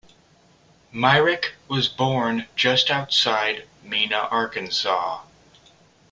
Myrick was born just outside Mena, Arkansas.